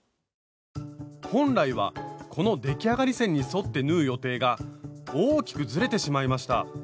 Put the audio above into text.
本来はこの出来上がり線に沿って縫う予定が大きくずれてしまいました。